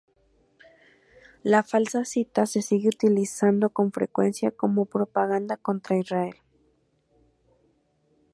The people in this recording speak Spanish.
La falsa cita se sigue utilizando con frecuencia como propaganda contra Israel.